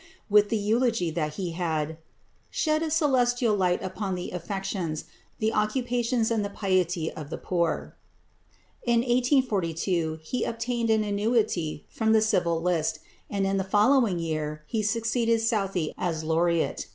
with the eulogy that he had "shed a celestial light upon the affections, the occupations and the piety of the poor." In 1842 he obtained an annuity from the Civil List, and in the following year he succeeded Southey as laureate.